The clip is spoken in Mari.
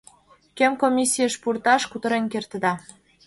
Кӧм комиссийыш пурташ, кутырен кертыда.